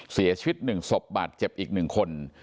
เสียชีวิตหนึ่งศพบาดเจ็บอีกหนึ่งคน